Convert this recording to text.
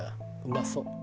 うまそう。